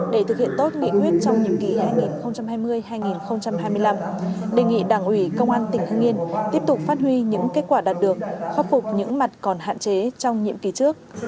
để thực hiện tốt nghị quyết trong nhiệm kỳ hai nghìn hai mươi hai nghìn hai mươi năm đề nghị đảng ủy công an tỉnh hưng yên tiếp tục phát huy những kết quả đạt được khắc phục những mặt còn hạn chế trong nhiệm kỳ trước